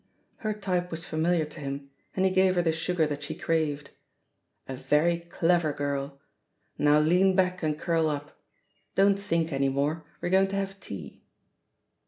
Her type was familiar to him, and he gave her the sugar that she craved. "A very clever girl! Now lean back and curl up. Don't think any more ; we're going to have tea."